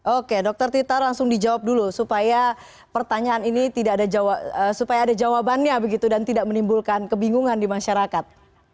oke dokter tita langsung dijawab dulu supaya pertanyaan ini supaya ada jawabannya begitu dan tidak menimbulkan kebingungan di masyarakat